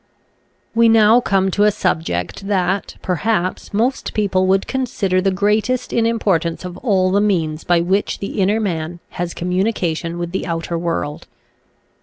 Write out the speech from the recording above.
We now come to a subject that, perhaps, most people would consider the greatest in importance of all the means by which the inner man has communication with the outer world.